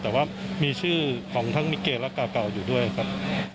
แต่ว่ามีชื่อของทั้งมิเกและเก่าอยู่ด้วยครับ